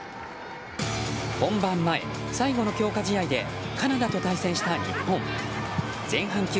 本番前、最後の強化試合でカナダと対戦した日本代表。